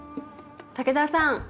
武田さん